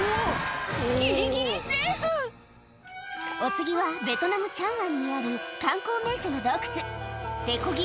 ギリギリセーフお次はベトナムチャンアンにある観光名所の洞窟手こぎ